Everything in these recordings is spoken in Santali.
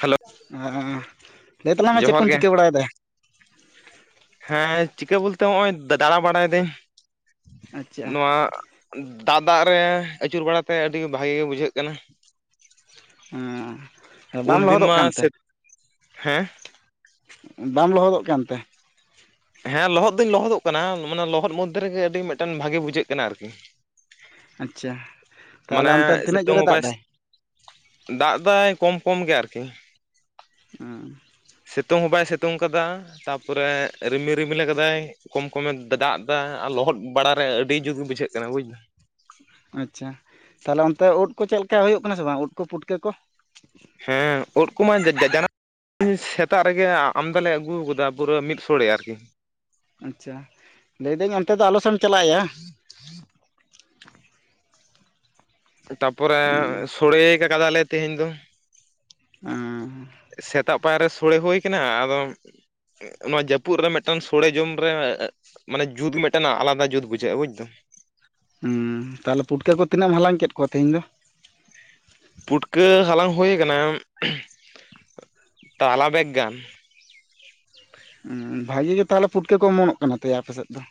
ᱦᱮᱞᱳ ᱟᱸ ᱞᱟᱹᱭ ᱛᱟᱞᱟᱝ ᱢᱮ ᱪᱮᱫ ᱡᱚᱦᱟᱨ ᱠᱚᱢ ᱜᱮ ᱪᱤᱠᱟᱹ ᱵᱟᱲᱟᱭᱮᱫᱟ ᱦᱮᱸ ᱪᱤᱠᱟᱹ ᱵᱚᱞᱛᱮ ᱱᱚᱜ ᱚᱚᱭ ᱫᱟᱬᱟ ᱵᱟᱲᱟᱭ ᱫᱟᱹᱧ ᱟᱪᱪᱷᱟ ᱱᱚᱣᱟ ᱫᱟᱜ ᱫᱟᱜ ᱨᱮ ᱟᱹᱪᱩᱨ ᱵᱟᱲᱟᱛᱮ ᱟᱹᱰᱤ ᱵᱷᱟᱜᱮ ᱜᱮ ᱵᱩᱡᱷᱟᱹᱜ ᱠᱟᱱᱟ ᱾ ᱦᱮᱸ ᱵᱟᱢ ᱩᱱ ᱫᱤᱱ ᱞᱚᱦᱚᱫᱚᱜ ᱢᱟ ᱠᱟᱱᱛᱮ ᱥᱮ ᱦᱮᱸ! ᱵᱟᱢ ᱞᱚᱦᱚᱫᱚᱜ ᱠᱟᱱ ᱛᱮ? ᱦᱮᱸ ᱞᱚᱦᱚᱫ ᱫᱩᱧ ᱞᱚᱦᱚᱫᱚᱜ ᱠᱟᱱᱟ ᱢᱟᱱᱮ ᱞᱚᱦᱚᱫ ᱢᱚᱫᱽᱫᱷᱮ ᱨᱮᱜᱮ ᱟᱹᱰᱤ ᱢᱤᱫᱴᱮᱱ ᱵᱷᱟᱜᱮ ᱵᱩᱡᱷᱟᱹᱜ ᱠᱟᱱᱟ ᱟᱨᱠᱤ ᱾ ᱟᱪᱪᱷᱟ ᱛᱟᱦᱚᱞᱮ ᱢᱟᱱᱮ ᱚᱱᱛᱮ ᱛᱤᱱᱟᱹᱜ ᱥᱮᱛᱚᱝ ᱡᱳᱨᱮ ᱦᱚ ᱫᱟᱜ ᱮᱫᱟᱭ ᱫᱟᱜ ᱫᱟᱭ ᱠᱚᱢ ᱠᱚᱢ ᱜᱮ ᱟᱨᱠᱤ ᱾ ᱦᱩᱸ ᱥᱤᱛᱩᱝ ᱦᱚᱸ ᱵᱟᱭ ᱥᱤᱛᱩᱝ ᱠᱟᱫᱟ, ᱛᱟᱯᱚᱨᱮ ᱨᱤᱢᱤᱞ ᱨᱤᱢᱤᱞ ᱠᱟᱫᱟᱭ ᱾ ᱠᱚᱢ ᱠᱚᱢᱮ ᱫᱟ-ᱫᱟᱜ ᱫᱟ ᱟᱨ ᱞᱚᱦᱚᱫ ᱵᱟᱲᱟᱨᱮ ᱟᱹᱰᱤ ᱡᱩᱛ ᱜᱮ ᱵᱩᱡᱷᱟᱹᱜ ᱠᱟᱱᱟ ᱵᱩᱡᱫᱟᱢ ᱾ ᱟᱪᱪᱷᱟ, ᱛᱟᱦᱚᱞᱮ ᱚᱱᱛᱮ ᱳᱫ ᱠᱚ ᱪᱮᱫ ᱞᱮᱠᱟ ᱦᱳᱭᱳᱜ ᱠᱟᱱᱟ ᱥᱮ ᱵᱟᱝ ᱳᱫ ᱠᱚ ᱯᱩᱴᱠᱟᱹ ᱠᱚ? ᱦᱮᱸ ᱳᱫ ᱠᱚᱢᱟ ᱡᱟ-ᱡᱟᱱᱟᱢ ᱥᱮᱛᱟᱜ ᱨᱮᱜᱮ ᱟ-ᱟᱢᱫᱟᱞᱮ ᱟᱹᱜᱩᱣ ᱠᱟᱫᱟ ᱯᱩᱨᱟᱹ ᱢᱤᱫ ᱥᱳᱲᱮ ᱟᱨᱠᱤ ᱾ ᱟᱪᱪᱷᱟ, ᱞᱮᱭᱫᱟᱹᱧ ᱚᱱᱛᱮ ᱫᱚ ᱟᱞᱚᱥᱮᱢ ᱪᱟᱞᱟᱜᱼᱟᱭᱟ ᱾ ᱛᱟᱯᱚᱨᱮ ᱥᱚᱲᱮ ᱠᱟᱫᱟᱞᱮ ᱛᱮᱦᱮᱧ ᱫᱚ ᱾ ᱥᱮᱛᱟᱜ ᱯᱟᱭᱟᱨ ᱨᱮ ᱥᱳᱲᱮ ᱦᱳᱭ ᱠᱟᱱᱟ, ᱟᱫᱚ ᱱᱚᱣᱟ ᱡᱟᱹᱯᱩᱫ ᱨᱮ ᱢᱤᱫᱴᱟᱱ ᱥᱳᱲᱮ ᱡᱚᱢ ᱨᱮ ᱢᱟᱱᱮ ᱡᱩᱫ ᱢᱤᱫᱴᱮᱱ ᱟᱞᱟᱫᱟ ᱡᱩᱫ ᱵᱩᱡᱷᱟᱹᱜᱼᱟ ᱵᱩᱡᱫᱟᱢ ᱾ ᱦᱩᱸ, ᱛᱟᱦᱚᱞᱮ ᱯᱩᱴᱠᱟᱹ ᱠᱚ ᱛᱤᱱᱟᱹᱜ ᱮᱢ ᱦᱟᱞᱟᱝ ᱠᱮᱫ ᱠᱚᱣᱟ ᱛᱮᱦᱤᱧ ᱫᱚ ᱾ ᱯᱩᱴᱠᱟᱹ ᱦᱟᱞᱟᱝ ᱦᱩᱭ ᱠᱟᱱᱟ, ᱛᱟᱞᱟ ᱵᱮᱜᱽ ᱜᱟᱱ ᱾ ᱩᱸᱻ ᱵᱷᱟᱜᱮ ᱜᱮ ᱛᱟᱦᱚᱞᱮ ᱯᱷᱩᱴᱠᱟᱹ ᱠᱚ ᱚᱢᱚᱱᱚᱜ ᱠᱟᱱᱟ ᱛᱚᱭᱟ ᱟᱯᱮ ᱥᱮᱫ ᱫᱚ?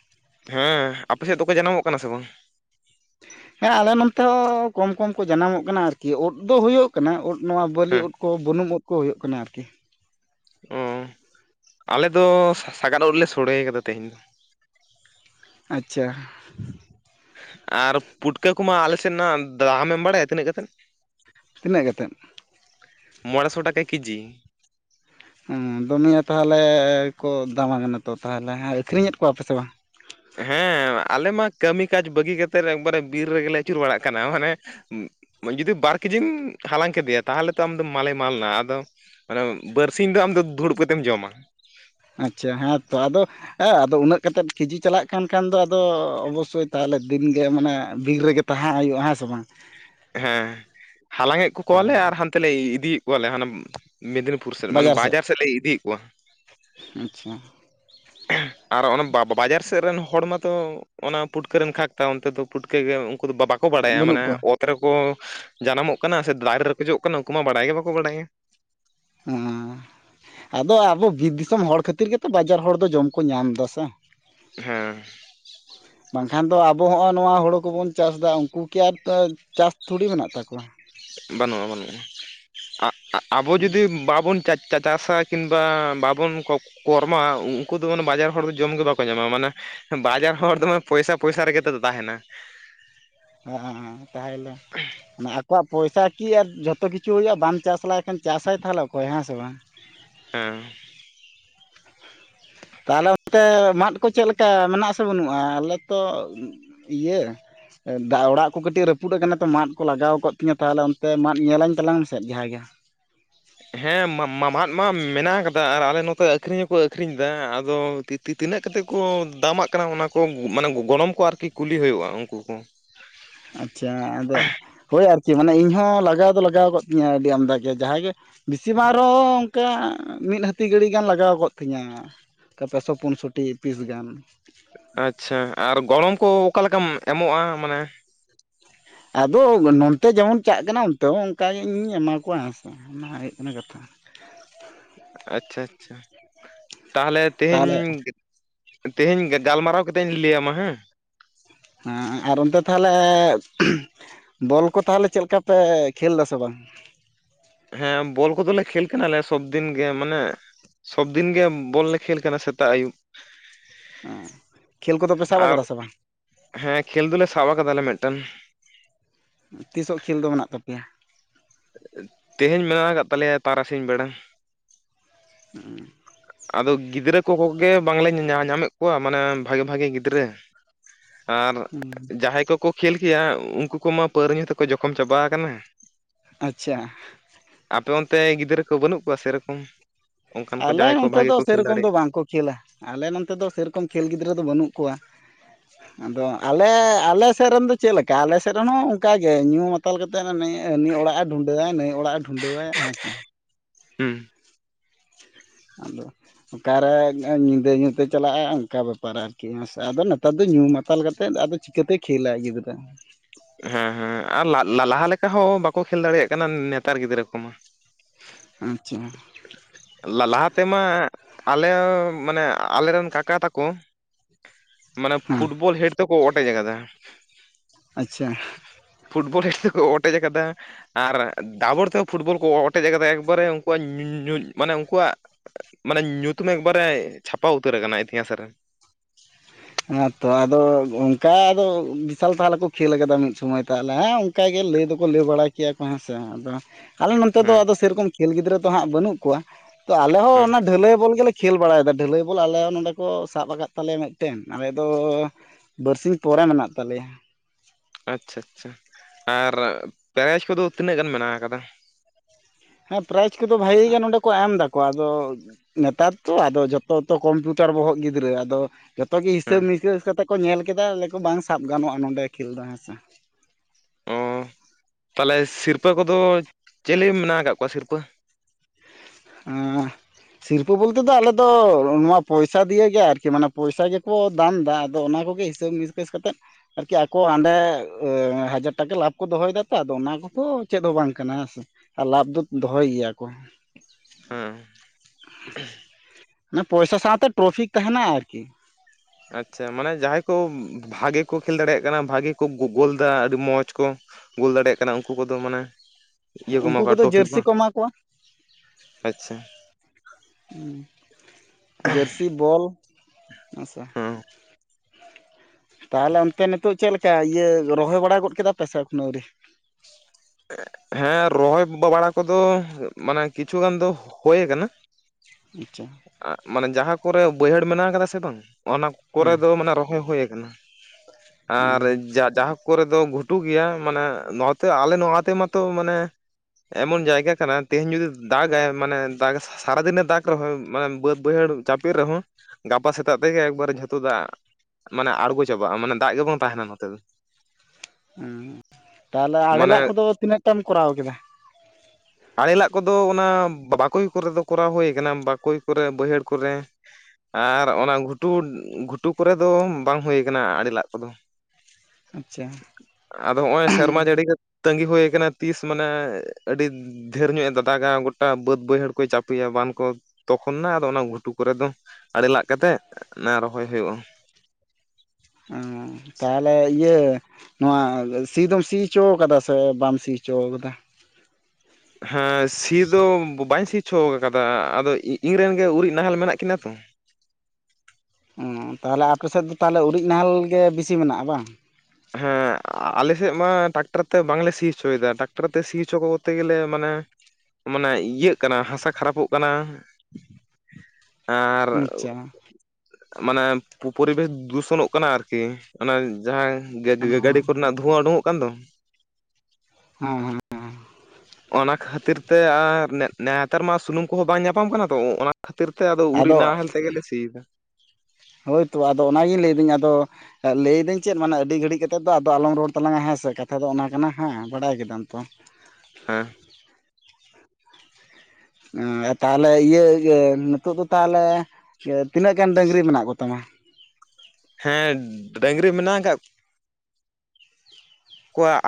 ᱦᱮᱸ, ᱟᱯᱮ ᱥᱮᱫ ᱫᱚᱠᱚ ᱡᱟᱱᱟᱢᱚᱜ ᱠᱟᱱᱟ ᱥᱮ ᱵᱟᱝ? ᱦᱮᱸ ᱟᱞᱮ ᱱᱚᱱᱛᱮ ᱦᱚᱸ ᱠᱚᱢ ᱠᱚᱢ ᱠᱚ ᱡᱟᱱᱟᱢᱚᱜ ᱠᱟᱱᱟ ᱟᱨᱠᱤ ᱳᱫ ᱫᱚ ᱦᱳᱭᱳᱜ ᱠᱟᱱᱟ ᱳᱫ ᱱᱚᱣᱟ ᱵᱟᱹᱞᱤ ᱦᱮᱸ ᱩᱫ ᱠᱚ ᱵᱩᱱᱩᱢ ᱩᱫ ᱠᱚ ᱦᱳᱭᱳᱜ ᱠᱟᱱᱟ ᱟᱨᱠᱤ ᱾ ᱚᱻ ᱟᱞᱮ ᱫᱚ ᱥᱟ-ᱥᱟᱜᱟᱫ ᱳᱫ ᱞᱮ ᱥᱳᱲᱮ ᱠᱟᱫᱟ ᱛᱮᱦᱮᱧ ᱫᱚ ᱾ ᱟᱪᱪᱷᱟ ᱟᱨ ᱯᱩᱴᱠᱟᱹ ᱠᱚᱢᱟ ᱟᱞᱮᱥᱮᱱ ᱱᱟᱜ ᱫᱟᱢᱮᱢ ᱵᱟᱲᱟᱭᱟ ᱛᱤᱱᱟᱹᱜ ᱠᱟᱛᱮᱛ? ᱛᱤᱱᱟᱹᱜ ᱠᱟᱛᱮᱛ? ᱢᱚᱲᱮ ᱥᱚ ᱴᱟᱠᱟ ᱠᱤᱡᱤ ᱾ ᱚᱻ ᱫᱚ ᱱᱤᱭᱟᱹ ᱛᱟᱦᱚᱞᱮ ᱠᱚ ᱫᱟᱢᱟᱱᱟ ᱛᱚ ᱛᱟᱦᱚᱞᱮ ᱦᱮᱸ ᱟᱹᱠᱷᱨᱤᱧᱮᱫ ᱠᱚᱣᱟ ᱯᱮᱥᱮ ᱵᱟᱝ? ᱦᱮᱸ! ᱟᱞᱮ ᱢᱟ ᱠᱟᱹᱢᱤ ᱠᱟᱡᱽ ᱵᱟᱹᱜᱤ ᱠᱟᱛᱮᱫ ᱮᱠᱵᱟᱨᱮ ᱵᱤᱨ ᱨᱮᱜᱮᱞᱮ ᱟᱹᱪᱩᱨ ᱵᱟᱲᱟᱜ ᱠᱟᱱᱟ, ᱢᱟᱱᱮ ᱡᱩᱫᱤ ᱵᱟᱨ ᱠᱮᱡᱤᱢ ᱦᱟᱞᱟᱝ ᱠᱮᱫᱮᱭᱟ ᱛᱟᱦᱚᱞᱮ ᱛᱚ ᱟᱢᱫᱚᱢ ᱢᱟᱞᱮ ᱢᱟᱞᱱᱟ, ᱟᱫᱚ ᱢᱟᱱᱮ ᱵᱟᱹᱨᱥᱤᱧ ᱫᱚ ᱟᱢᱫᱚ ᱫᱩᱲᱩᱵ ᱠᱟᱛᱮᱢ ᱡᱚᱢᱟ᱾ ᱟᱪᱪᱷᱟ, ᱦᱮᱸ ᱛᱚ ᱟᱫᱚ ᱦᱮᱸ ᱟᱫᱚ ᱩᱱᱟᱹᱜ ᱠᱟᱛᱮᱫ ᱠᱮᱡᱤ ᱪᱟᱞᱟᱜ ᱠᱟᱱ ᱠᱷᱟᱱ ᱟᱫᱚ ᱚᱵᱚᱥᱥᱳᱭ ᱛᱟᱦᱚᱞᱮ ᱫᱤᱱᱜᱮ ᱢᱟᱱᱮ ᱵᱤᱨ ᱨᱮᱜᱮ ᱛᱟᱦᱮᱸ ᱦᱩᱭᱩᱜᱼᱟ ᱦᱮᱸ ᱥᱮ ᱵᱟᱝ ᱾ ᱦᱮᱸ ᱦᱟᱞᱟᱝᱮᱜ ᱠᱚ ᱠᱚᱣᱟᱞᱮ ᱛᱟᱦᱚᱞᱮ ᱟᱨ ᱦᱟᱱᱛᱮ ᱞᱮ ᱤᱫᱤᱭᱮᱫ ᱠᱚᱣᱟᱞᱮ ᱦᱟᱱᱮ ᱢᱮᱫᱽᱱᱤᱯᱩᱨ ᱥᱮᱫ ᱢᱟᱱᱮ ᱵᱟᱡᱟᱨ ᱥᱮᱫ ᱞᱮ ᱤᱫᱤᱭᱮᱜ ᱠᱚᱣᱟ᱾ ᱟᱪᱪᱷᱟ ᱟᱨ ᱚᱱᱟ ᱵᱟ ᱵᱟᱡᱟᱨ ᱥᱮᱫ ᱨᱮᱱ ᱦᱚᱲ ᱢᱟᱛᱚ ᱚᱱᱟ ᱯᱩᱴᱠᱟᱹ ᱨᱮᱱ ᱠᱷᱟᱠᱽᱛᱟ ᱚᱱᱛᱮ ᱫᱚ ᱯᱩᱴᱠᱟᱹ ᱜᱮ ᱩᱝᱠᱩ ᱫᱚ ᱵᱟ ᱵᱟ ᱠᱚ ᱵᱟᱲᱟᱭᱟ ᱵᱟᱹᱱᱩᱜ ᱢᱟᱱᱮ ᱠᱚᱣᱟ ᱚᱛ ᱨᱮᱠᱚ ᱡᱟᱱᱟᱢᱚᱜ ᱠᱟᱱᱟ ᱥᱮ ᱫᱟᱨᱮ ᱨᱮᱠᱚ ᱡᱚᱜ ᱠᱟᱱᱟ ᱩᱝᱠᱩ ᱢᱟ ᱵᱟᱲᱟᱭ ᱜᱮ ᱵᱟᱠᱚ ᱵᱟᱲᱟᱭᱟ᱾ ᱦᱮᱸ [unintelligible] ᱟᱫᱚ ᱟᱵᱚ ᱵᱤᱨ ᱫᱤᱥᱚᱢ ᱦᱚᱲ ᱠᱷᱟᱹᱛᱤᱨ ᱜᱮᱛᱚ ᱵᱟᱡᱟᱨ ᱦᱚᱲ ᱫᱚ ᱡᱚᱢ ᱠᱚ ᱧᱟᱢ ᱫᱟᱥᱮ ᱾ ᱦᱮᱸ᱾ ᱵᱟᱝᱠᱷᱟᱱ ᱫᱚ ᱟᱵᱚ ᱦᱚᱸᱜᱼᱚ ᱱᱚᱣᱟ ᱦᱳᱲᱳ ᱠᱚᱵᱚᱱ ᱪᱟᱥᱫᱟ ᱩᱝᱠᱩ ᱠᱤ ᱟᱨᱛᱽ ᱪᱟᱥ ᱛᱷᱩᱲᱤ ᱢᱮᱱᱟᱜ ᱛᱟᱠᱚᱣᱟ᱾ ᱵᱟᱹᱱᱩᱜᱼᱟ, ᱵᱟᱹᱱᱩᱜᱼᱟ, ᱟᱜ ᱟᱵᱚ ᱡᱩᱫᱤ ᱵᱟᱵᱚᱱ ᱪᱟᱪ ᱪᱟ ᱪᱟᱥᱟ ᱠᱤᱱᱵᱟ ᱵᱟᱵᱚᱱ ᱠᱚ ᱠᱚᱨᱢᱟᱣ ᱩᱸᱩᱝᱠᱩ ᱫᱚ ᱢᱟᱱᱮ ᱵᱟᱡᱟᱨ ᱦᱚᱲ ᱫᱚ ᱡᱚᱢᱜᱮ ᱵᱟᱠᱚ ᱧᱟᱢᱟ, ᱢᱟᱱᱮ ᱵᱟᱡᱟᱨ ᱦᱚᱲ ᱫᱚ ᱢᱟᱱᱮ ᱯᱚᱭᱥᱟ ᱯᱚᱭᱥᱟ ᱨᱮᱜᱮ ᱛᱮᱫᱚ ᱫᱚ ᱛᱟᱦᱮᱱᱟ᱾ ᱦᱟᱸ ᱛᱟᱦᱚᱭᱞᱮ, ᱢᱟᱱᱮ ᱟᱠᱚᱣᱟᱜ ᱯᱚᱭᱥᱟ ᱠᱤ ᱟᱨ ᱡᱷᱚᱛᱚ ᱠᱤᱪᱷᱩ ᱦᱳᱭᱳᱜᱼᱟ ᱵᱟᱢ ᱪᱟᱥ ᱞᱟᱭ ᱮᱱᱠᱷᱟᱱ ᱪᱟᱥᱟᱭ ᱛᱟᱦᱚᱞᱮ ᱚᱠᱚᱭ ᱦᱮᱸ ᱥᱮ ᱵᱟᱝ? ᱦᱩᱸ ᱾ ᱛᱟᱦᱚᱞᱮ ᱚᱱᱛᱮ ᱢᱟᱸᱫᱽ ᱠᱚ ᱪᱮᱫ ᱞᱮᱠᱟ ᱢᱮᱱᱟᱜ-ᱟ ᱥᱮ ᱵᱟᱹᱱᱩᱜᱼᱟ? ᱟᱞᱮ ᱛᱚ ᱤᱭᱟᱹ ᱚᱲᱟᱜ ᱠᱚ ᱠᱟᱹᱴᱤᱡ ᱨᱟᱹᱯᱩᱫ ᱟᱠᱟᱱᱟ ᱛᱚ ᱢᱟᱫᱽ ᱠᱚ ᱞᱟᱜᱟᱣ ᱠᱚᱜ ᱛᱤᱧᱟᱹ ᱛᱟᱦᱚᱞᱮ ᱚᱱᱛᱮ ᱢᱟᱫᱽ ᱧᱮᱞᱟᱹᱧ ᱛᱟᱞᱟᱝ ᱢᱮᱥᱮ ᱡᱟᱦᱟᱸ ᱜᱮ ᱾ ᱦᱮᱸ ᱢᱟ ᱢᱟᱫᱽ ᱢᱟ ᱢᱮᱱᱟᱜ ᱟᱠᱟᱫᱟ ᱟᱨ ᱟᱞᱮ ᱱᱚᱛᱮ ᱟᱠᱷᱨᱤᱧ ᱦᱚᱸᱠᱚ ᱟᱠᱷᱨᱤᱧ ᱮᱫᱟ, ᱟᱫᱚ ᱛᱤ ᱛᱤ ᱛᱤᱱᱟᱹᱜ ᱠᱟᱛᱮᱫ ᱠᱚ ᱫᱟᱢᱟᱜ ᱠᱟᱱᱟ ᱚᱱᱟ ᱠᱚ ᱢᱟᱱᱮ ᱜᱚ ᱜᱚᱱᱚᱝ ᱠᱚ ᱟᱨᱠᱤ ᱠᱩᱞᱤ ᱦᱩᱭᱩᱜᱼᱟ ᱩᱱᱠᱩ ᱠᱚ? ᱟᱪᱪᱷᱟ, ᱟᱫᱚ ᱦᱳᱭ ᱟᱨᱠᱤ ᱢᱟᱱᱮ ᱤᱧᱦᱚᱸ ᱞᱟᱜᱟᱣ ᱫᱚ ᱞᱟᱜᱟᱣ ᱠᱚ ᱛᱤᱧᱟᱹ ᱟᱹᱰᱤ ᱟᱢᱫᱟᱜ ᱜᱮ ᱡᱟᱦᱟᱸ ᱜᱮ ᱵᱤᱥᱤ ᱵᱟᱝ ᱨᱮᱦᱚᱸ ᱚᱱᱠᱟ ᱢᱤᱫ ᱦᱟᱹᱛᱤ ᱜᱷᱟᱹᱲᱤ ᱜᱟᱱ ᱞᱟᱜᱟᱣ ᱠᱚ ᱛᱤᱧᱟ ᱾ ᱯᱮ ᱯᱮᱥᱚ ᱯᱩᱱᱥᱚᱴᱤ ᱯᱤᱥ ᱜᱟᱱ ᱾ ᱟᱪᱪᱷᱟ ᱟᱨ ᱜᱚᱱᱚᱝ ᱠᱚ ᱚᱠᱟ ᱞᱮᱠᱟᱢ ᱮᱢᱚᱜᱼᱟ ᱢᱟᱱᱮ ᱟᱫᱚ ᱱᱚᱱᱛᱮ ᱡᱮᱢᱚᱱ ᱪᱟᱜ ᱠᱟᱱᱟ ᱚᱱᱛᱮ ᱦᱚᱸ ᱚᱱᱠᱟᱜᱮ ᱤᱧ ᱮᱢᱟ ᱠᱚᱣᱟ ᱦᱮᱸᱥᱮ ᱾ ᱚᱱᱟ ᱦᱳᱭᱳᱜ ᱠᱟᱱᱟ ᱠᱟᱛᱷᱟ ᱾ ᱟᱪᱪᱷᱟ ᱟᱪᱪᱷᱟ, ᱛᱟᱦᱚᱞᱮ ᱛᱟᱦᱚᱞᱮ ᱛᱮᱦᱤᱧ ᱛᱮᱦᱮᱧ ᱜᱟᱞᱢᱟᱨᱟᱣ ᱠᱟᱛᱮ ᱤᱧ ᱞᱟᱹᱭ ᱟᱢᱟ ᱦᱮᱸ ᱾ ᱦᱮᱸ ᱟᱨ ᱚᱱᱛᱮ ᱛᱟᱦᱚᱞᱮ ᱵᱚᱞ ᱠᱚ ᱛᱟᱦᱚᱞᱮ ᱪᱮᱫ ᱞᱮᱠᱟ ᱯᱮ ᱠᱷᱮᱞ ᱫᱟ ᱥᱮ ᱵᱟᱝ? ᱦᱮᱸ ᱵᱚᱞ ᱠᱚᱫᱚᱞᱮ ᱠᱷᱮᱞ ᱠᱟᱱᱟᱞᱮ ᱥᱚᱵᱫᱤᱱ ᱜᱮ ᱢᱟᱹᱱᱮ ᱥᱚᱵᱽᱫᱤᱱᱜᱮ ᱵᱚᱞ ᱞᱮ ᱠᱷᱮᱞ ᱠᱟᱱᱟ ᱥᱮᱛᱟᱜ ᱟᱹᱭᱩᱵ ᱾ ᱮᱻ ᱠᱷᱮᱞ ᱠᱚᱫᱚ ᱯᱮ ᱥᱟᱵ ᱟᱨ ᱟᱠᱟᱫᱟ ᱥᱮ ᱵᱟᱝ? ᱦᱮᱸ ᱠᱷᱮᱞ ᱫᱚᱞᱮ ᱥᱟᱵ ᱟᱠᱟᱫᱟᱞᱮ ᱢᱤᱫᱴᱮᱱ ᱾ ᱛᱤᱥᱚᱜ ᱠᱷᱮᱞ ᱫᱚ ᱢᱮᱱᱟᱜ ᱛᱟᱯᱮᱭᱟ? ᱛᱮᱦᱮᱧ ᱢᱮᱱᱟᱜ ᱟᱠᱟᱫ ᱛᱟᱞᱮᱭᱟ ᱛᱟᱨᱟᱥᱤᱧ ᱵᱮᱲᱟ ᱾ [unintelligible] ᱟᱫᱚ ᱜᱤᱫᱽᱨᱟᱹ ᱠᱚ ᱠᱚᱜᱮ ᱵᱟᱝᱞᱮ ᱧᱟᱧᱟ ᱧᱟᱢᱮᱫ ᱠᱚᱣᱟ ᱢᱟᱱᱮ ᱵᱷᱟᱜᱤ ᱵᱷᱟᱜᱤ ᱜᱤᱫᱽᱨᱟᱹ ᱾ ᱟᱨ ᱡᱟᱦᱟᱸᱭ ᱠᱚᱠᱚ ᱠᱷᱮᱞ ᱠᱮᱭᱟ ᱩᱱᱠᱩ ᱠᱚᱢᱟ ᱯᱟᱹᱣᱨᱟᱹ ᱧᱩ ᱛᱮᱠᱚ ᱡᱚᱠᱷᱚᱢ ᱪᱟᱵᱟ ᱟᱠᱟᱱᱟ᱾ ᱟᱪᱪᱷᱟ, ᱟᱯᱮ ᱚᱱᱛᱮ ᱜᱤᱫᱽᱨᱟᱹ ᱠᱚ ᱵᱟᱹᱱᱩᱜ ᱠᱚᱣᱟ ᱥᱮᱨᱚᱠᱚᱢ ᱚᱱᱠᱟᱱ ᱠᱚ ᱡᱟᱦᱟᱸᱭ, ᱠᱚ ᱱᱚᱛᱮ ᱵᱷᱟᱜᱮ ᱫᱚ ᱠᱚ ᱠᱷᱮᱞ ᱥᱮᱨᱚᱠᱚᱢ ᱫᱚ ᱫᱟᱲᱮᱭᱟᱜ ᱵᱟᱝᱠᱚ ᱠᱷᱮᱞᱟ ᱟᱞᱮ ᱱᱚᱛᱮ ᱫᱚ ᱥᱮᱨᱚᱠᱚᱢ ᱠᱷᱮᱞ ᱜᱤᱫᱽᱨᱟᱹ ᱫᱚ ᱵᱟᱹᱱᱩᱜ ᱠᱚᱣᱟ ᱾ [inaudible] ᱟᱫᱚ ᱟᱞᱮ ᱟᱞᱮ ᱥᱮᱫ ᱨᱮᱱ ᱫᱚ ᱪᱮᱫ ᱞᱮᱠᱟ ᱟᱞᱮ ᱥᱮᱫ ᱨᱮᱱ ᱦᱚᱸ ᱚᱱᱠᱟᱜ ᱜᱮ ᱧᱩ ᱢᱟᱛᱟᱞ ᱠᱟᱛᱮ, ᱱᱟᱹᱭ ᱦᱟᱹᱱᱤ ᱚᱲᱟᱜ ᱮ ᱰᱩᱸᱰᱟᱹᱣᱟᱭ ᱱᱟᱹᱭ ᱚᱲᱟᱜᱼ ᱮ ᱰᱩᱸᱰᱟᱹᱣᱟᱭ ᱦᱮᱸᱥᱮ ᱾ ᱦᱩᱸᱢ ᱟᱫᱚ, ᱚᱠᱟᱨᱮ ᱧᱤᱫᱟᱹ ᱧᱩᱛᱮ ᱪᱟᱞᱟᱜᱼᱟᱭ ᱚᱱᱠᱟ ᱵᱮᱯᱟᱨ ᱟᱨᱠᱤ ᱦᱮᱸᱥᱮ ᱟᱫᱚ ᱱᱮᱛᱟᱨ ᱫᱚ ᱧᱩ ᱢᱟᱛᱟᱞ ᱠᱟᱛᱮᱫ ᱟᱫᱚ, ᱪᱤᱠᱟᱹᱛᱮᱭ ᱠᱷᱮᱞᱟᱭ ᱜᱤᱫᱽᱨᱟᱹ ᱾ ᱦᱮᱸ ᱦᱮᱸ ᱟᱨ ᱞᱟ ᱞᱟ ᱞᱟᱦᱟ ᱞᱮᱠᱟ ᱦᱚᱸ ᱵᱟᱠᱚ ᱠᱷᱮᱞ ᱫᱟᱲᱮᱭᱟᱜ ᱠᱟᱱᱟ ᱱᱮᱛᱟᱨ ᱜᱤᱫᱽᱨᱟᱹ ᱠᱚᱢᱟ ᱾ ᱟᱪᱪᱷᱟ, ᱞᱟ ᱞᱟᱦᱟ ᱛᱮᱢᱟ ᱟᱞᱮ ᱢᱟᱱᱮ ᱟᱞᱮᱨᱮᱱ ᱠᱟᱠᱟ ᱛᱟᱠᱚ ᱢᱟᱱᱮ ᱦᱮᱸ ᱯᱷᱩᱴᱵᱚᱞ ᱦᱮᱰ ᱛᱮᱠᱚ ᱚᱴᱮᱡ ᱟᱠᱟᱫᱟ ᱾ ᱟᱪᱪᱷᱟ, ᱯᱷᱩᱴᱵᱚᱞ ᱦᱮᱰ ᱛᱮᱠᱚ ᱚᱴᱮᱡ ᱟᱠᱟᱫᱟ ᱾ ᱟᱨ ᱫᱟᱵᱚᱰ ᱛᱮᱦᱚᱸ ᱯᱷᱩᱴᱵᱚᱞ ᱠᱚ ᱚᱴᱮᱡ ᱟᱠᱟᱫᱟ ᱮᱠᱵᱟᱨᱮ ᱩᱱᱠᱩᱣᱟᱜ ᱧᱩ ᱧᱩ ᱢᱟᱱᱮ ᱩᱱᱠᱩᱣᱟᱜ, ᱢᱟᱱᱮ ᱧᱩᱛᱩᱢ ᱮᱠᱵᱟᱨᱮ ᱪᱷᱟᱯᱟ ᱩᱛᱟᱹᱨ ᱟᱠᱟᱱᱟ ᱤᱛᱤᱦᱟᱥ ᱨᱮ ᱾ ᱦᱮᱸᱛᱚ ᱟᱫᱚ ᱚᱱᱠᱟ ᱟᱫᱚ ᱵᱤᱥᱟᱞ ᱛᱟᱦᱚᱞᱮ ᱠᱚ ᱠᱷᱮᱞ ᱟᱠᱟᱫᱟ ᱢᱤᱫ ᱥᱚᱢᱚᱭ ᱛᱟᱦᱚᱞᱮ ᱦᱮᱸ ᱚᱱᱠᱟᱜᱮ ᱞᱟᱹᱭ ᱫᱚᱠᱚ ᱞᱟᱹᱭ ᱵᱟᱲᱟ ᱠᱮᱭᱟ ᱠᱚ ᱦᱮᱸ ᱥᱮ ᱟᱫᱚ ᱟᱞᱮ ᱱᱚᱱᱛᱮ ᱫᱚ ᱦᱮᱸ ᱟᱫᱚ ᱥᱮᱨᱚᱠᱚᱢ ᱠᱷᱮᱞ ᱜᱤᱫᱽᱨᱟᱹ ᱫᱚ ᱦᱟᱸᱜ ᱵᱟᱹᱱᱩᱜ ᱠᱚᱣᱟ ᱛᱚ ᱟᱞᱮ ᱦᱚᱸ ᱦᱮᱸ ᱚᱱᱟ ᱰᱷᱟᱹᱞᱟᱹᱭ ᱵᱚᱞ ᱜᱮᱞᱮ ᱠᱷᱮᱞ ᱵᱟᱲᱟᱭᱮᱫᱟ ᱵᱷᱟᱹᱞᱟᱹᱭ ᱵᱚᱞ ᱟᱞᱮ ᱦᱚᱸ ᱱᱚᱸᱰᱮ ᱠᱚ ᱥᱟᱵ ᱟᱠᱟᱫ ᱛᱟᱞᱮᱭᱟ ᱠᱚ ᱢᱮ ᱴᱮᱱ ᱟᱞᱮ ᱫᱚ ᱵᱟᱹᱨᱥᱤᱧ ᱯᱚᱨᱮ ᱢᱮᱱᱟᱜ ᱛᱟᱞᱮᱭᱟ ᱾ ᱟᱪᱪᱷᱟ ᱪᱪᱷᱟ ᱟᱨ ᱯᱨᱟᱭᱤᱡ ᱠᱚᱫᱚ ᱛᱤᱱᱟᱹᱜ ᱜᱟᱱ ᱢᱮᱱᱟᱜ ᱟᱠᱟᱫᱟ? ᱦᱮᱸ ᱯᱨᱟᱭᱤᱡᱽ ᱠᱚᱫᱚ ᱵᱷᱟᱜᱮ ᱜᱮ ᱱᱚᱸᱰᱮ ᱠᱚ ᱮᱢ ᱫᱟᱠᱚ ᱟᱫᱚ ᱱᱮᱛᱟᱨ ᱛᱚ ᱟᱫᱚ ᱡᱦᱚᱛᱚ ᱛᱚ ᱠᱚᱢᱯᱤᱭᱩᱴᱟᱨ ᱵᱚᱦᱚᱜ ᱜᱤᱫᱽᱨᱟᱹ ᱟᱫᱚ ᱡᱦᱚᱛᱚ ᱜᱮ ᱦᱤᱥᱟᱹᱵᱽ ᱦᱮᱸ ᱢᱤᱥᱟᱹᱠ ᱠᱟᱛᱮ ᱠᱚ ᱧᱮᱞ ᱠᱮᱫᱟ ᱞᱟᱹᱭ ᱫᱟᱠᱚ ᱵᱟᱝ ᱥᱟᱵ ᱜᱟᱱᱚᱜᱼᱟ ᱱᱚᱸᱰᱮ ᱠᱷᱮᱞ ᱫᱚ ᱦᱮᱸ ᱥᱮ ᱾ ᱚᱻ ᱛᱟᱦᱚᱞᱮ ᱥᱤᱨᱯᱟᱹ ᱠᱚᱫᱚ ᱪᱮᱞᱮ ᱢᱮᱱᱟᱜ ᱟᱠᱟᱫ ᱠᱚᱣᱟ ᱥᱤᱨᱯᱟᱹ? ᱟᱻ ᱥᱤᱨᱯᱟᱹ ᱵᱚᱞᱛᱮ ᱫᱚ ᱟᱞᱮᱫᱚ ᱱᱚᱣᱟ ᱯᱚᱭᱥᱟ ᱫᱤᱭᱟᱹ ᱜᱮ ᱟᱨᱠᱤ ᱢᱟᱱᱮ ᱯᱚᱭᱥᱟ ᱜᱮᱠᱚ ᱫᱟᱱ ᱮᱫᱟ ᱟᱫᱚ ᱚᱱᱟ ᱠᱚᱜᱮ ᱦᱤᱥᱟᱹᱵ ᱱᱤᱠᱟᱹᱥ ᱠᱟᱛᱮᱫ ᱟᱨᱠᱤ ᱟᱠᱚ ᱦᱟᱸᱰᱮ ᱦᱟᱡᱟᱨ ᱴᱟᱠᱟ ᱞᱟᱵᱷ ᱠᱚ ᱫᱚᱦᱚᱭᱮᱫᱟ ᱛᱚ ᱟᱫᱚ ᱚᱱᱟ ᱠᱚᱫᱚ ᱪᱮᱫ ᱦᱚᱸ ᱵᱟᱝ ᱠᱟᱱᱟ ᱦᱮᱸ ᱥᱮ ᱾ ᱟᱨ ᱞᱟᱵᱷ ᱫᱚ ᱫᱚᱦᱚᱭ ᱜᱮᱭᱟ ᱠᱚ ᱾ ᱦᱩᱸ, ᱢᱟᱱᱮ ᱯᱚᱭᱥᱟ ᱥᱟᱶᱛᱮ ᱴᱨᱚᱯᱷᱤᱠ ᱛᱟᱦᱮᱱᱟ ᱟᱨᱠᱤ ᱾ ᱟᱪᱪᱷᱟ ᱢᱟᱱᱮ ᱡᱟᱦᱟᱸᱭ ᱠᱚ ᱵᱷᱟᱜᱮ ᱠᱚ ᱠᱷᱮᱞ ᱫᱟᱲᱮᱭᱟᱜ ᱠᱟᱱᱟ ᱵᱷᱟᱜᱮ ᱠᱚ ᱜᱳ ᱜᱳᱞ ᱫᱟ ᱟᱹᱰᱤ ᱢᱚᱸᱡᱽ ᱠᱚ ᱜᱳᱞ ᱫᱟᱲᱮᱭᱟᱜ ᱠᱟᱱᱟ ᱩᱱᱠᱩ ᱠᱚᱫᱚ ᱢᱟᱱᱮ ᱤᱭᱟᱹ ᱠᱚ ᱩᱱᱠᱩ ᱮᱢᱟ ᱠᱚᱣᱟ ᱠᱚᱫᱚ ᱴᱨᱚᱯᱷᱤ ᱡᱟᱹᱨᱥᱤ ᱠᱚ ᱮᱢᱟ ᱠᱚᱣᱟ ᱟᱪᱪᱷᱟ ᱾ ᱡᱟᱹᱨᱥᱤ ᱵᱚᱞ ᱦᱮᱸᱥᱮ, ᱦᱮᱸ ᱛᱟᱦᱚᱞᱮ ᱚᱱᱛᱮ ᱱᱤᱛᱚᱜ ᱪᱮᱫ ᱞᱮᱠᱟ ᱤᱭᱟᱹ ᱨᱚᱦᱚᱭ ᱵᱟᱲᱟ ᱜᱚᱫ ᱠᱮᱫᱟ ᱯᱮ ᱥᱮ ᱮᱠᱦᱚᱱᱚᱣ ᱟᱹᱣᱨᱤ? ᱦᱮᱸ ᱨᱚᱦᱚᱭ ᱵᱟᱲᱟ ᱠᱚᱫᱚ ᱢᱟᱱᱮ ᱠᱤᱪᱷᱩᱜᱟᱱ ᱫᱚ ᱦᱳᱭ ᱟᱠᱟᱱᱟ᱾ ᱟᱪᱪᱷᱟ, ᱢᱟᱱᱮ ᱡᱟᱦᱟᱸ ᱠᱚᱨᱮ ᱵᱟᱹᱭᱦᱟᱹᱲ ᱢᱮᱱᱟᱜ ᱟᱠᱟᱫᱟ ᱥᱮ ᱵᱟᱝ ᱚᱱᱟ ᱠᱚᱨᱮ ᱦᱮᱸ ᱫᱚ ᱢᱟᱱᱮ ᱨᱚ ᱦᱳᱭ ᱦᱳᱭ ᱟᱠᱟᱱᱟ ᱦᱮᱸ ᱟᱨ ᱡᱟ ᱡᱟᱷᱟ ᱠᱚᱨᱮ ᱫᱚ ᱜᱷᱩᱴᱩ ᱜᱮᱭᱟ ᱢᱟᱱᱮ ᱱᱚᱛᱮ ᱟᱞᱮ ᱱᱚᱣᱟ ᱛᱮᱢᱟᱛᱚ ᱢᱟᱱᱮ ᱮᱢᱚᱱ ᱡᱟᱭᱜᱟ ᱠᱟᱱᱟ ᱛᱮᱦᱮᱧ ᱡᱩᱫᱤ ᱫᱟᱜᱟᱭ ᱢᱟᱱᱮ ᱫᱟᱜ ᱥᱟᱨᱟ ᱫᱤᱱᱮ ᱫᱟᱜᱽ ᱨᱮᱦᱚᱸ ᱢᱟᱱᱮ ᱵᱟᱹᱫ ᱵᱟᱹᱭᱦᱟᱹᱲ ᱪᱟᱯᱮᱜ ᱨᱮᱦᱚᱸ ᱜᱟᱯᱟ ᱥᱮᱛᱟᱜ ᱛᱮᱜᱮ ᱮᱠᱵᱟᱨᱮ ᱡᱷᱚᱛᱚ ᱫᱟᱜ ᱢᱟᱱᱮ ᱟᱬᱜᱚ ᱪᱟᱵᱟᱜ-ᱟ ᱢᱟᱱᱮ ᱫᱟᱜ ᱜᱮ ᱵᱟᱝ ᱛᱟᱦᱮᱱᱟ ᱱᱚᱛᱮ ᱫᱚ᱾ ᱦᱚᱸᱢ ᱛᱟᱦᱚᱞᱮ ᱟᱲᱮ ᱢᱟᱱᱮ ᱞᱟᱜ ᱠᱚᱫᱚ ᱛᱤᱱᱟᱹᱜ ᱴᱟᱢ ᱠᱚᱨᱟᱣ ᱠᱮᱫᱟ? ᱟᱲᱮᱞᱟᱜ ᱠᱚᱫᱚ ᱚᱱᱟ ᱵᱟᱠᱚᱭ ᱠᱚᱨᱮ ᱫᱚ ᱠᱚᱨᱟᱣ ᱦᱩᱭ ᱠᱟᱱᱟ ᱵᱟᱠᱚᱭ ᱠᱚᱨᱮ ᱵᱟᱹᱭᱦᱟᱹᱲ ᱠᱚᱨᱮ, ᱟᱨ ᱚᱱᱟ ᱜᱷᱩᱴᱩ ᱜᱷᱩᱴᱩ ᱠᱚᱨᱮ ᱫᱚ ᱵᱟᱝ ᱦᱩᱭ ᱠᱟᱱᱟ ᱟᱹᱲᱮ ᱞᱟᱜ ᱠᱚᱫᱚ᱾ ᱟᱪᱪᱷᱟ ᱟᱫᱚ ᱦᱚᱸᱜ-ᱚᱭ ᱥᱮᱨᱢᱟ ᱡᱟᱹᱲᱤ ᱠᱚ ᱛᱟᱹᱜᱤ ᱦᱩᱭ ᱠᱟᱱᱟ ᱛᱤᱥ ᱢᱟᱱᱮ ᱟᱹᱰᱤ ᱫᱷᱮᱨ ᱧᱚᱜ ᱮ ᱫᱟᱜᱽᱟ ᱜᱚᱴᱟ ᱵᱟᱹᱫᱽ ᱵᱟᱹᱭᱦᱟᱹᱲ ᱠᱚᱭ ᱪᱟᱯᱮᱭᱟ ᱵᱟᱱ ᱠᱚ ᱛᱚᱠᱷᱚᱱᱱᱟ ᱟᱫᱚ ᱚᱱᱟ ᱜᱷᱩᱴᱩ ᱠᱚᱨᱮ ᱫᱚ ᱟᱲᱮ ᱞᱟᱜ ᱠᱟᱛᱮᱜ ᱚᱱᱟ ᱨᱚᱦᱚᱭ ᱦᱩᱭᱩᱜ-ᱟ᱾ ᱩᱸᱢ ᱛᱟᱦᱚᱞᱮ ᱤᱭᱟᱹ ᱱᱚᱣᱟ ᱥᱤ ᱫᱚᱢ ᱥᱤ ᱦᱚᱪᱚᱣ ᱠᱟᱫᱟ ᱥᱮ ᱵᱟᱢ ᱥᱤ ᱦᱚᱪᱚᱣ ᱠᱟᱫᱟ? ᱦᱮᱸ ᱥᱤ ᱫᱚ ᱵᱟᱹᱧ ᱥᱤ ᱦᱚᱪᱚ ᱠᱟᱫᱟ ᱟᱫᱚ ᱤᱧᱨᱮ ᱨᱮᱱ ᱜᱮ ᱩᱨᱤᱡ ᱱᱟᱦᱮᱞ ᱢᱮᱱᱟᱜ ᱠᱤᱱᱟ ᱛᱚ᱾ ᱚᱢ ᱛᱟᱦᱞᱮ ᱟᱯᱮ ᱥᱮᱫ ᱫᱚ ᱛᱟᱦᱞᱮ ᱩᱨᱤᱡ ᱱᱟᱦᱮᱞ ᱜᱮ ᱵᱤᱥᱤ ᱢᱮᱱᱟᱜ-ᱟ ᱵᱟᱝ? ᱦᱮᱸ ᱟᱞᱮ ᱥᱮᱫ ᱢᱟ ᱴᱟᱠᱴᱟᱨ ᱛᱮ ᱵᱟᱝᱞᱮ ᱥᱤ ᱦᱚᱪᱚᱭ ᱫᱟ ᱴᱟᱠᱴᱟᱨ ᱛᱮ ᱥᱤ ᱚᱪᱚ ᱠᱚᱨᱛᱮ ᱜᱮᱞᱮ ᱢᱟᱱᱮ ᱢᱟᱱᱮ ᱤᱭᱟᱹᱜ ᱠᱟᱱᱟ ᱦᱟᱥᱟ ᱠᱷᱟᱨᱟᱯᱚᱜ ᱠᱟᱱᱟ ᱟᱨ ᱟᱪᱪᱷᱟ ᱢᱟᱱᱮ ᱯᱚᱨᱤᱵᱮᱥ ᱫᱩᱥᱚᱱᱚᱜ ᱠᱟᱱᱟ ᱟᱨᱠᱤ ᱚᱱᱟ ᱡᱟᱦᱟᱸ ᱚᱸ ᱜᱟᱹᱰᱤ ᱠᱚᱨᱮᱱᱟᱜ ᱫᱷᱩ ᱫᱷᱩᱣᱟᱹ ᱩᱰᱩᱝᱚᱜ ᱠᱟᱱ ᱫᱚ᱾ ᱦᱚᱸ ᱦᱚᱸ ᱚᱸ ᱚᱱᱟ ᱠᱷᱟᱹᱛᱤᱨ ᱛᱮ ᱟᱨ ᱱᱮ ᱱᱮᱛᱟᱨ ᱢᱟ ᱥᱩᱱᱩᱢ ᱠᱚᱦᱚᱸ ᱵᱟᱝ ᱧᱟᱯᱟᱢ ᱠᱟᱱᱟ ᱛᱚ ᱚᱱᱟ ᱠᱷᱟᱹᱛᱤᱨ ᱛᱮ ᱟᱫᱚ ᱩᱨᱤᱡ ᱱᱟᱦᱮᱞ ᱛᱮᱜᱮᱞᱮ ᱥᱤᱭᱮᱫᱟ᱾ ᱦᱳᱭ ᱛᱳ ᱟᱫᱚ ᱚᱱᱟᱜᱮ ᱞᱟᱹᱭ ᱫᱤᱧ ᱟᱫᱚ ᱞᱟᱹᱭᱫᱟᱹᱧ ᱪᱮᱫ ᱢᱟᱱᱮ ᱟᱹᱰᱤ ᱜᱷᱟᱹᱲᱤᱡ ᱠᱟᱛᱮᱫ ᱫᱚ ᱟᱫᱚ ᱟᱞᱚᱢ ᱨᱚᱲ ᱛᱟᱞᱟᱝᱟ ᱦᱮᱸ ᱥᱮ ᱠᱟᱛᱷᱟ ᱫᱚ ᱚᱱᱟ ᱠᱟᱱᱟ ᱦᱮᱸ ᱵᱟᱰᱟᱭ ᱠᱮᱫᱟᱢ ᱛᱚ? ᱦᱮᱸ ᱛᱟᱦᱞᱮ ᱤᱭᱟᱹ ᱤᱭᱟᱹ ᱱᱤᱛᱳᱜ ᱫᱚ ᱛᱟᱦᱞᱮ ᱛᱤᱱᱟᱹᱜ ᱜᱟᱱ ᱰᱟᱹᱝᱨᱤ ᱢᱮᱱᱟᱜ ᱠᱚᱛᱟᱢᱟ? ᱦᱮᱸ ᱰᱟᱹᱝᱨᱤ ᱢᱮᱱᱟᱜ ᱠᱟᱜ ᱠᱚᱣᱟᱜ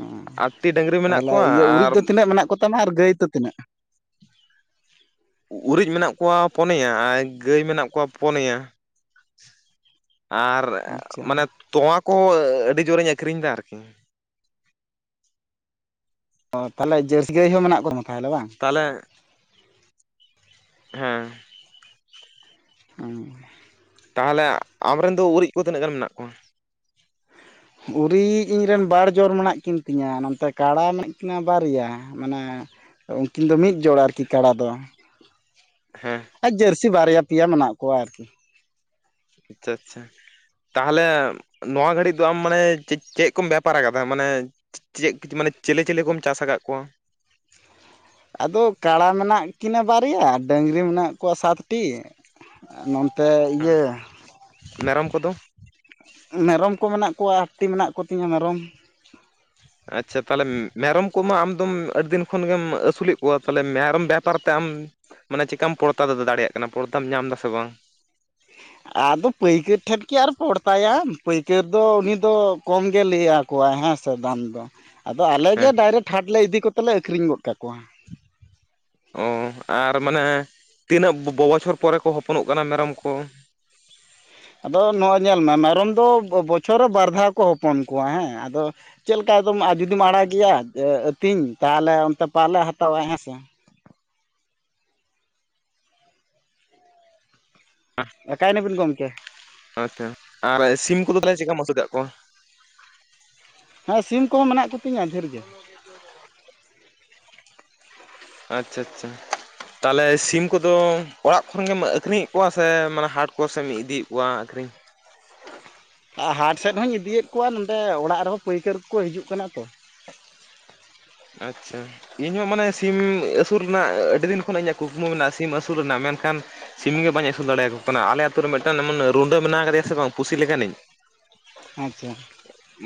ᱚ ᱛᱟᱦᱞᱮ ᱤᱭᱟᱹ ᱩᱨᱤᱡ ᱟᱨ ᱫᱚ ᱛᱤᱱᱟᱹᱜ ᱢᱮᱱᱟᱜ ᱠᱚᱛᱟᱢᱟ ᱟᱨ ᱜᱟᱹᱭ ᱛᱚ ᱛᱤᱱᱟᱹᱜ? ᱩᱨᱤᱡ ᱢᱮᱱᱟᱜ ᱠᱚᱣᱟ ᱯᱚᱱᱭᱟ ᱟᱭ ᱜᱟᱹᱭ ᱢᱮᱱᱟᱜ ᱠᱚᱣᱟ ᱯᱚᱱᱮᱭᱟ᱾ ᱟᱨ ᱟᱪᱪᱷᱟ ᱢᱟᱱᱮ ᱛᱚᱣᱟᱸ ᱠᱚᱸ ᱟᱹᱰᱤ ᱡᱳᱨᱤᱧ ᱟᱹᱠᱷᱨᱤᱧ ᱫᱟ ᱟᱨᱠᱤ᱾ ᱚ ᱛᱟᱦᱞᱮ ᱡᱟᱹᱨᱥᱤ ᱜᱟᱹᱭ ᱦᱚᱸ ᱢᱮᱱᱟᱜ ᱠᱚᱛᱟ ᱢᱟ ᱛᱟᱦᱞᱮ ᱵᱟᱝ? ᱛᱟᱦᱞᱮ ᱦᱮᱸ ᱦᱩ ᱛᱟᱦᱚᱞᱮ ᱟᱢ ᱨᱮᱱ ᱫᱚ ᱩᱨᱤᱡ ᱠᱚ ᱛᱤᱱᱟᱹᱜ ᱜᱟᱱ ᱢᱮᱱᱟᱜ ᱠᱚᱣᱟ? ᱩᱨᱤᱡ ᱤᱧᱨᱮᱱ ᱵᱟᱨ ᱡᱚᱨ ᱢᱮᱱᱟᱜ ᱠᱤᱱ ᱛᱤᱧᱟ ᱱᱚᱱᱛᱮ ᱠᱟᱬᱟ ᱢᱮᱱᱟᱜ ᱠᱤᱱᱟ ᱵᱟᱨᱭᱟ᱾ ᱢᱟᱱᱮ ᱩᱨᱠᱤᱱ ᱫᱚ ᱢᱤᱫ ᱡᱚᱲ ᱟᱨᱠᱤ ᱠᱟᱲᱟ ᱫᱚ᱾ ᱦᱮᱸ ᱟᱨ ᱡᱟᱹᱨᱥᱤ ᱵᱟᱨᱭᱟ ᱯᱮᱭᱟ ᱢᱮᱱᱟᱜ ᱠᱚᱣᱟ ᱟᱨᱠᱤ ᱟᱪᱪᱷᱟ ᱟᱪᱪᱷᱟ ᱛᱟᱦᱚᱮ ᱱᱚᱣᱟ ᱜᱷᱟᱹᱲᱤᱡ ᱫᱚ ᱟᱢ ᱢᱟᱱᱮ ᱪᱮᱜ ᱠᱚᱢ ᱵᱮᱯᱟᱨ ᱟᱠᱟᱫᱟ ᱢᱟᱱᱮ ᱪᱮᱜ ᱢᱟᱱᱮ ᱪᱮᱞᱮ ᱪᱮᱞᱤ ᱠᱚᱢ ᱪᱟᱥ ᱠᱟᱜ ᱠᱚᱣᱟ? ᱟᱫᱚ ᱠᱟᱲᱟ ᱢᱮᱱᱟᱜ ᱠᱤᱱᱟᱹ ᱵᱟᱨᱭᱟ ᱰᱟᱹᱝᱨᱤ ᱢᱮᱱᱟᱜ ᱠᱚᱣᱟ ᱥᱟᱛᱴᱤ ᱱᱚᱱᱛᱮ ᱤᱭᱟᱹ ᱢᱮᱨᱚᱢ ᱠᱚᱫᱚ ᱢᱮᱨᱚᱢ ᱠᱚ ᱢᱮᱱᱟᱜ ᱠᱚᱣᱟ ᱟᱴᱴᱤ ᱢᱮᱱᱟᱜ ᱠᱚᱛᱤᱧᱟᱹ ᱢᱮᱨᱚᱢ ᱟᱪᱪᱷᱟ ᱛᱟᱦᱚᱞᱮ ᱢᱮᱨᱚᱢ ᱠᱚᱢᱟ ᱟᱢᱫᱚᱢ ᱟᱹᱰᱤ ᱫᱤᱱ ᱠᱷᱚᱱᱜᱮᱢ ᱟᱹᱥᱩᱞᱮᱫ ᱠᱚᱣᱟ ᱯᱟᱞᱮ ᱢᱮᱨᱚᱢ ᱵᱮᱯᱟᱨ ᱛᱮ ᱟᱢ ᱢᱟᱱᱮ ᱪᱤᱠᱟᱢ ᱯᱚᱲᱛᱟ ᱫᱟᱲᱮᱭᱟᱜ ᱠᱟᱱᱟ ᱯᱚᱲᱛᱟᱢ ᱧᱟᱢ ᱫᱟᱥᱮ ᱵᱟᱝ? ᱟᱫᱚ ᱯᱟᱹᱭᱠᱟᱹᱨ ᱴᱷᱮᱱ ᱠᱤ ᱟᱨ ᱯᱚᱲᱛᱟᱭᱟᱢ ᱯᱟᱹᱭᱠᱟᱹᱨ ᱫᱚ ᱩᱱᱤ ᱫᱚ ᱠᱚᱢ ᱜᱮ ᱞᱟᱹᱭᱟ ᱠᱚᱣᱟᱭ ᱦᱮᱸ ᱥᱮ ᱫᱟᱢ ᱫᱚ ᱟᱫᱚ ᱟᱞᱮᱜᱮ ᱦᱮᱸ ᱰᱟᱭᱨᱮᱴ ᱦᱟᱴ ᱞᱮ ᱤᱫᱤ ᱠᱚᱛᱮ ᱞᱮ ᱟᱹᱠᱷᱨᱤᱧ ᱜᱚᱫ ᱠᱟᱠᱚᱣᱟ᱾ ᱚ ᱟᱨ ᱢᱟᱱᱮ ᱛᱤᱱᱟᱹᱜ ᱵᱚ ᱵᱚᱪᱷᱚᱨ ᱯᱚᱨᱮ ᱠᱚ ᱦᱚᱯᱚᱱᱚᱜ ᱠᱟᱱᱟ ᱢᱮᱨᱚᱢ ᱠᱚ? ᱟᱫᱚ ᱱᱚᱜᱼᱚᱭ ᱧᱮᱞ ᱢᱮ ᱢᱮᱨᱚᱢ ᱫᱚ ᱵᱚᱪᱷᱚᱨ ᱨᱮ ᱵᱟᱨ ᱫᱷᱟᱣ ᱠᱚ ᱦᱚᱯᱚᱱ ᱠᱚᱣᱟ ᱦᱮᱸ ᱟᱫᱚ ᱪᱮᱫ ᱞᱮᱠᱟ ᱟᱫᱚᱢ ᱟᱨ ᱡᱩᱫᱤᱢ ᱟᱲᱟᱜ ᱜᱮᱭᱟ ᱟᱹᱛᱤᱧ ᱛᱟᱦᱚᱞᱮ ᱚᱱᱛᱮ ᱯᱟᱞᱮ ᱦᱟᱛᱟᱣᱟ ᱦᱮᱸ ᱥᱮ [inaudible] ᱮᱠᱟᱭᱱᱟᱹᱵᱤᱱ ᱜᱚᱝᱠᱮ? ᱟᱪᱪᱷᱟ ᱟᱨ ᱥᱤᱢ ᱠᱚᱫᱚ ᱛᱟᱦᱚᱞᱮ ᱪᱮᱫᱠᱟᱢ ᱟᱹᱥᱩ ᱠᱟᱫ ᱠᱚᱣᱟ? ᱦᱮᱸ ᱥᱤᱢ ᱠᱚᱦᱚᱸ ᱢᱮᱱᱟᱜ ᱠᱩ [unintelligible] ᱟᱪᱪᱷᱟ ᱟᱪᱪᱷᱟ ᱛᱟᱦᱚᱞᱮ ᱥᱤᱢ ᱠᱚᱫᱚ ᱚᱲᱟᱜ ᱠᱷᱚᱱ ᱜᱮᱢ ᱟᱹᱠᱷᱨᱤᱧᱮᱫ ᱠᱚᱣᱟ ᱥᱮ ᱢᱟᱱᱮ ᱦᱟᱴ ᱠᱚᱥᱮᱢ ᱤᱫᱤᱭᱮᱫ ᱠᱚᱣᱟ ᱟᱹᱠᱷᱨᱤᱧ? ᱟᱨ ᱦᱟᱴ ᱥᱮᱫ ᱦᱚᱧ ᱤᱫᱤᱭᱮᱫ ᱠᱚᱣᱟ ᱱᱚᱸᱰᱮ ᱚᱲᱟᱜ ᱨᱮᱦᱚᱸ ᱯᱟᱹᱭᱠᱟᱹᱨ ᱠᱚᱠᱚ ᱦᱤᱡᱩᱜ ᱠᱟᱱᱟ ᱛᱚ ᱟᱪᱪᱷᱟ ᱤᱧᱦᱚᱸ ᱢᱟᱱᱮ ᱥᱤᱢ ᱟᱹᱥᱩᱞ ᱨᱮᱱᱟᱜ ᱟᱹᱰᱤ ᱫᱤᱱ ᱠᱷᱚᱱᱟᱜ ᱤᱧᱟᱹᱜ ᱠᱩᱠᱢᱩ ᱢᱮᱱᱟᱜᱼᱟ ᱥᱤᱢ ᱟᱹᱥᱩᱞ ᱨᱮᱱᱟᱜ ᱢᱮᱱᱠᱷᱟᱱ ᱥᱤᱢ ᱜᱮ ᱵᱟᱹᱧ ᱟᱹᱥᱩᱞ ᱫᱟᱲᱮᱭᱟᱠᱚ ᱠᱟᱱᱟ ᱟᱞᱮ ᱟᱛᱳ ᱨᱮ ᱢᱤᱫᱴᱟᱝ ᱮᱢᱚᱱ ᱨᱩᱸᱰᱟᱹ ᱢᱮᱱᱟᱜ ᱠᱟᱫᱮᱭᱟ ᱥᱮ ᱵᱟᱝ ᱯᱩᱥᱤ ᱞᱮᱠᱟᱱᱤᱡ ᱟᱪᱪᱷᱟ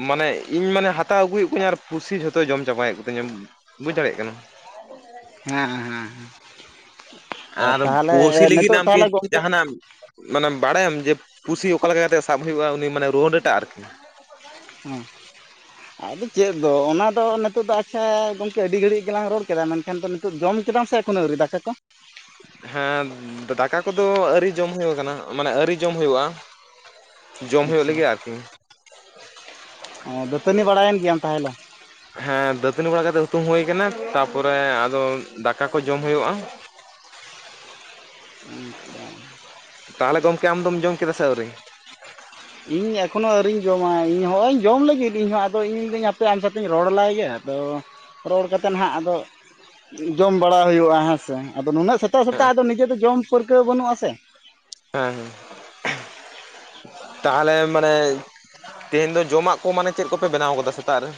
ᱢᱟᱱᱮ ᱤᱧ ᱢᱟᱱᱮ ᱦᱟᱛᱟᱣ ᱟᱹᱜᱩᱭᱮᱫ ᱠᱚᱣᱟᱧ ᱟᱨ ᱯᱩᱥᱤ ᱡᱷᱚᱛᱚᱭ ᱡᱚᱢ ᱪᱟᱵᱟᱭᱮᱫ ᱠᱚ ᱛᱤᱧᱟ ᱵᱩᱡᱽ ᱫᱟᱲᱮᱭᱟᱜ ᱠᱟᱱᱟ ᱦᱮᱸ ᱦᱮᱸ ᱦᱮᱸ ᱟᱨ ᱛᱟᱦᱚᱞᱮ ᱯᱩᱥᱤ ᱞᱟᱹᱜᱤᱫ ᱱᱤᱛᱳᱜ ᱟᱢ ᱠᱤ ᱛᱟᱦᱚᱞᱮ ᱜᱚᱝᱠᱮ ᱡᱟᱦᱟᱱᱟᱜ ᱢᱟᱱᱮ ᱵᱟᱲᱟᱭᱟᱢ ᱡᱮ ᱯᱩᱥᱤ ᱚᱠᱟᱞᱮᱠᱟ ᱠᱟᱛᱮᱜ ᱥᱟᱵ ᱦᱩᱭᱩᱜᱼᱟ ᱩᱱᱤ ᱢᱟᱱᱮ ᱨᱩᱣᱟᱰᱟᱴᱟ ᱟᱨᱠᱤ ᱦᱩᱸ ᱟᱫᱚ ᱪᱮᱫ ᱫᱚ ᱚᱱᱟᱫᱚ ᱱᱤᱛᱚᱜ ᱫᱚ ᱜᱚᱝᱠᱮ ᱟᱹᱰᱤ ᱜᱷᱟᱹᱲᱤᱡ ᱜᱮᱞᱟᱝ ᱨᱚᱲ ᱠᱮᱫᱟ ᱢᱮᱱᱠᱷᱟᱱ ᱫᱚ ᱱᱤ ᱛᱚᱜ ᱡᱚᱢ ᱠᱮᱫᱟᱢ ᱥᱮ ᱮᱠᱷᱚᱱ ᱟᱹᱣᱨᱤ ᱫᱟᱠᱟ ᱠᱚ? ᱦᱮᱸ ᱫᱟᱠᱟ ᱠᱚᱫᱚ ᱟᱹᱨᱤ ᱡᱚᱢ ᱦᱩᱭ ᱟᱠᱟᱱᱟ ᱢᱟᱱᱮ ᱟᱹᱨᱤ ᱡᱚᱢ ᱦᱩᱭᱩᱜᱼᱟ ᱡᱚᱢ ᱦᱩᱭᱩᱜ ᱟᱪᱪᱷᱟ ᱞᱟᱹᱜᱤᱫ ᱟᱨᱠᱤ᱾ ᱚ ᱫᱟᱹᱛᱟᱹᱱᱤ ᱵᱟᱲᱟᱭᱮᱱ ᱜᱮᱭᱟᱢ ᱛᱟᱦᱚᱞᱮ? ᱦᱮᱸ ᱫᱟᱹᱛᱟᱹᱱᱤ ᱵᱟᱲᱟ ᱠᱟᱛᱮᱜ ᱦᱩᱛᱩᱢ ᱦᱩᱭ ᱟᱠᱟᱱᱟ ᱛᱟᱯᱚᱨᱮ ᱟᱫᱚ ᱫᱟᱠᱟ ᱠᱚ ᱡᱚᱢ ᱦᱩᱭᱩᱜᱼᱟ ᱛᱟᱦᱚᱞᱮ ᱜᱚᱢᱠᱮ ᱟᱢᱫᱚᱢ ᱡᱚᱢ ᱠᱮᱫᱟ ᱥᱮ ᱟᱹᱣᱨᱤ? [inaudible] ᱤᱧ ᱮᱠᱷᱚᱱᱳ ᱟᱹᱣᱨᱤᱧ ᱡᱚᱢᱟ ᱤᱧ ᱦᱚᱸᱜᱼᱚᱭ ᱤᱧ ᱡᱚᱢ ᱞᱟᱹᱜᱤᱫ ᱤᱧᱦᱚᱸ ᱟᱫᱚ ᱢᱤᱱᱤᱫᱟᱹᱧ ᱦᱟᱯᱮ ᱟᱢ ᱥᱟᱛᱮᱧ ᱨᱚᱲᱞᱟᱭᱜᱮ ᱟᱫᱚ ᱨᱚᱲ ᱠᱟᱛᱮᱫ ᱱᱦᱟᱜ ᱟᱫᱚ ᱡᱚᱢ ᱵᱟᱲᱟ ᱦᱩᱭᱩᱜᱼᱟ ᱦᱮᱸᱥᱮ ᱟᱫᱚ ᱱᱩᱱᱟᱹᱜ ᱥᱮᱛᱟᱜ ᱥᱮᱛᱟᱜ ᱟᱫᱚ ᱱᱤᱡᱮ ᱫᱚ ᱡᱚᱢ ᱯᱟᱹᱨᱠᱟᱹᱣ ᱵᱟᱹᱱᱩᱜᱼᱟ ᱥᱮ, ᱦᱮᱸ ᱦᱮᱸ ᱛᱟᱦᱚᱞᱮ ᱢᱟᱱᱮ ᱛᱮᱦᱮᱧ ᱫᱚ ᱡᱚᱢᱟᱜ ᱠᱚ ᱢᱟᱱᱮ ᱪᱮᱫ ᱠᱚᱯᱮ ᱵᱮᱱᱟᱣ ᱟᱠᱟᱫᱟ ᱥᱮᱛᱟᱜ ᱨᱮ?